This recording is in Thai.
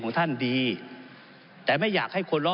ก็มีเยอะนะครับอย่างที่ผมบอก